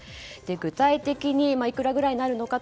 具体的にいくらぐらいになるのか。